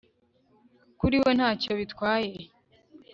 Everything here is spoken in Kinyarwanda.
kuri we ntacyo bitwaye